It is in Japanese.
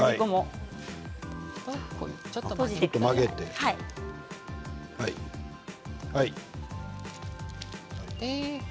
ちょっと曲げて、はい。